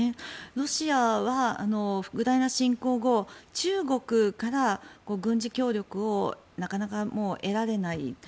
ロシアはウクライナ侵攻後中国から軍事協力をなかなか得られない。